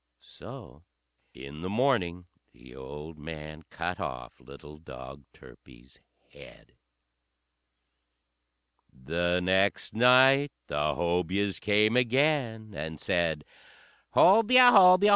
So in the morning the old man cut off little dog Turpie's head. The next night the Hobyahs came again, and said, "Hobyah! Hobyah!